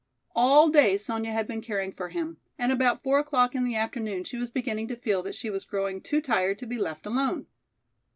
All day Sonya had been caring for him and at about four o'clock in the afternoon she was beginning to feel that she was growing too tired to be left alone.